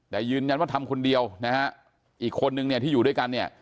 แต่ยืนยันว่าทำคนเดียวนะฮะอีกคนนึงเนี่ยที่อยู่ด้วยกันเนี่ย